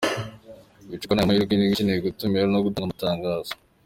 Wicikwa n’aya mahirwe niba ukeneye gutumira no gutanga amatangazo:.